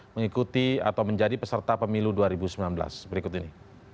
mengikuti atau menjadi peserta pemilu dua ribu sembilan belas berikut ini